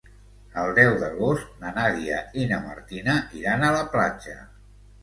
El deu d'agost na Nàdia i na Martina iran a la platja.